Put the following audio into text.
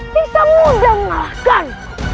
bisa mudah mengalahkan